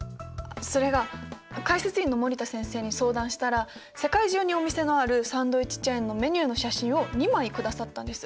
それが解説委員の森田先生に相談したら世界中にお店のあるサンドイッチチェーンのメニューの写真を２枚下さったんです。